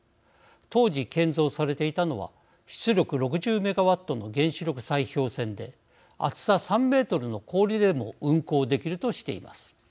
当時、建造されていたのは出力６０メガワットの原子力砕氷船で厚さ３メートルの氷でも運航できるとしています。